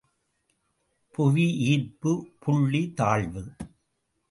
புவி ஈர்ப்பு புள்ளி தாழ்வு.